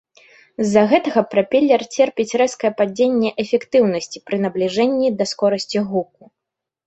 З-за гэтага прапелер церпіць рэзкае падзенне эфектыўнасці пры набліжэнні да скорасці гуку.